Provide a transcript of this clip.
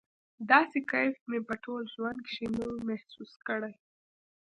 داسې کيف مې په ټول ژوند کښې نه و محسوس کړى.